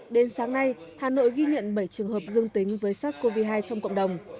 đến sáng nay hà nội ghi nhận bảy trường hợp dương tính với sars cov hai trong cộng đồng